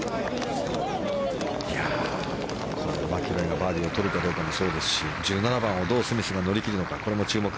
マキロイがバーディーを取るかどうかもそうですし１７番をどうスミスが乗り切るのかこれも注目。